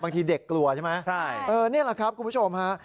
บางทีเด็กกลัวใช่ไหมใช่เออนี่แหละครับคุณผู้ชมฮะ